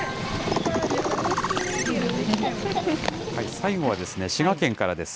最後は、滋賀県からです。